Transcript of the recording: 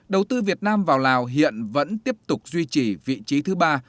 đầu tư việt nam vào lào hiện vẫn tiếp tục duy trì vị trí thứ ba